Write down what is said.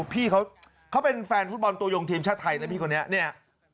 พี่เขาเป็นแฟนฟุตบอลตัวยงทีมชาติไทยนะพี่คนนี้เนี่ย